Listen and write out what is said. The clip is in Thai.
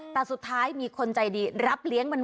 แต่สุดท้ายมีคนใจดีรับเลี้ยงมัน